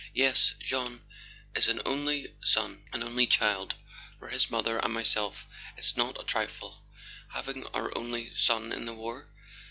"Yes: Jean is an only son—an only child. For his mother and myself it's not a trifle—having our only son in the war."